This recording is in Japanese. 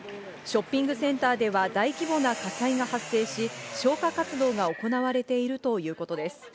ショッピングセンターでは大規模な火災が発生し、消火活動が行われているということです。